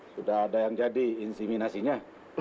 sudah ada yang jadi insiminasinya